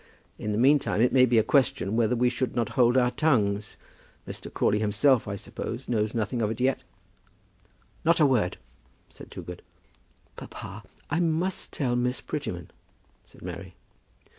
In the meantime, it may be a question whether we should not hold our tongues. Mr. Crawley himself, I suppose, knows nothing of it yet?" "Not a word," said Toogood. "Papa, I must tell Miss Prettyman," said Mary.